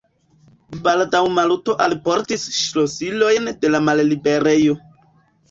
Baldaŭ Maluto alportis ŝlosilojn de la malliberejo.